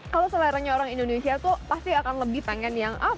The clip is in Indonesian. kalau seleranya orang indonesia tuh pasti akan lebih pengen yang apa